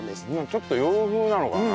ちょっと洋風なのかな？